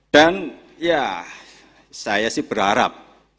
dan ya saya sih berharap